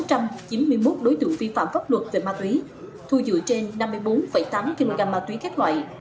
trong lĩnh vực đấu tranh với tội phạm về ma túy thu dựa trên năm mươi bốn tám kg ma túy các loại